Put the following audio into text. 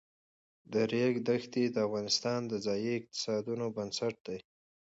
د ریګ دښتې د افغانستان د ځایي اقتصادونو بنسټ دی.